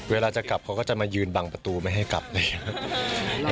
เวลาจะกลับเขาก็จะมายืนบังประตูไม่ให้กลับเลยค่ะ